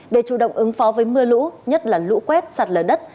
để chủ động ứng phó với mưa lũ nhất là lũ quét sạt lở đất